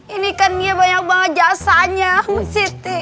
ini kan iya banyak banget jasanya siti